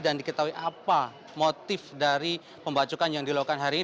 dan diketahui apa motif dari pembacokan yang dilakukan hari ini